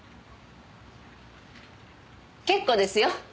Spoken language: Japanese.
結構ですよ。